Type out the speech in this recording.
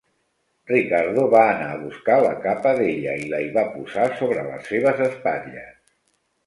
Ricardo va anar a buscar la capa d'ella i la hi va posar sobre les seves espatlles.